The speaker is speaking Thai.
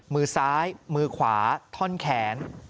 มือซ้ายมือขวาท่อนแขน